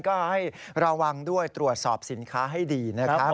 ก็ให้ระวังด้วยตรวจสอบสินค้าให้ดีนะครับ